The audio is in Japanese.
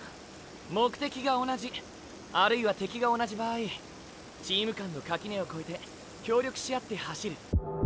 目的が同じあるいは敵が同じ場合チーム間の垣根を越えて協力し合って走る。